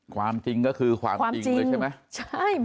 ความจริงก็คือความจริงเลยใช่ไหม